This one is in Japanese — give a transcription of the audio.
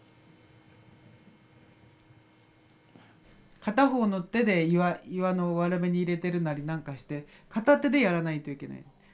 片方の手で岩の割れ目に入れてるなり何かして片手でやらないといけない。